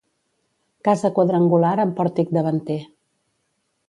Casa quadrangular amb pòrtic davanter.